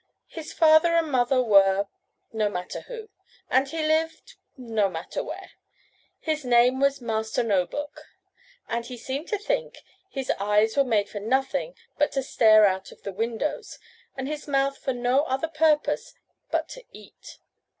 His father and mother were no matter who, and he lived no matter where. His name was Master No book, and he seemed to think his eyes were made for nothing but to stare out of the windows, and his mouth for no other purpose but to eat.